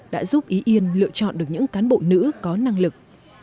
đã giúp ý yên lựa chọn được những cán bộ nữ có năng lực